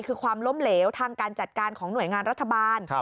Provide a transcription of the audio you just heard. คือความล้มเหลวทางการจัดการของหน่วยงานรัฐบาล